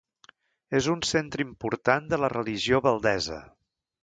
És un centre important de la religió valdesa.